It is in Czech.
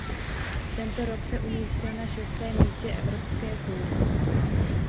Tento rok se umístil na šestém místě v evropské tour.